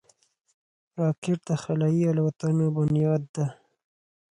راکټ د خلایي الوتنو بنیاد ده